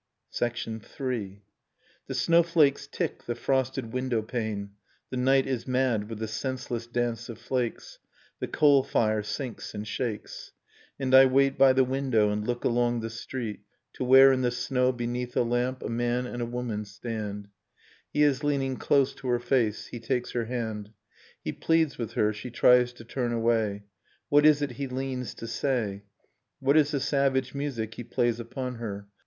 III. \ The snowflakes tick the frosted windowpane, i The night is mad with the senseless dance of flakes, i The coal fire sinks and shakes; I And I wait by the window, and look along the street. To where in the snow, beneath a lamp, , A man and a woman stand: \ He is leaning close to her face, he takes her hand. He pleads with her, she tries to turn away .... What is it he leans to say? ) What is the savage music he plays upon her?